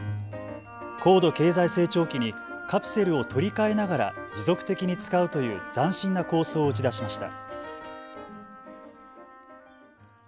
高度経済成長期にカプセルを取り替えながら持続的に使うという斬新な構想を打ち出しました。